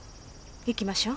行きましょう。